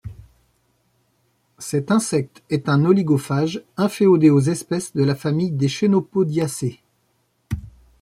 Cet insecte est un oligophage inféodé aux espèces de la famille des Chenopodiaceae.